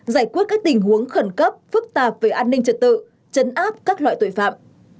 giải quyết các tình huống khẩn cấp phức tạp về an ninh trật tự chấn áp các loại tội phạm